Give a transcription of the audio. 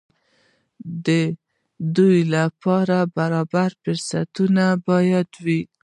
د ودې لپاره برابر فرصتونه باید وي.